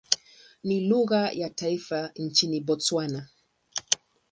Ni lugha ya taifa nchini Botswana.